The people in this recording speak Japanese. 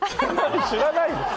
知らないでしょ！